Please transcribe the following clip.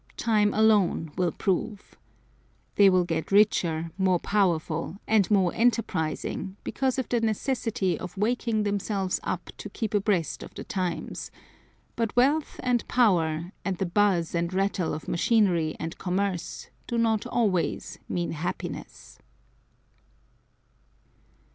Time alone will prove. They will get richer, more powerful, and more enterprising, because of the necessity of waking themselves up to keep abreast of the times; but wealth and power, and the buzz and rattle of machinery and commerce do not always mean happiness.